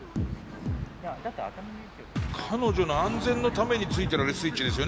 彼女の安全のためについてるあれスイッチですよね。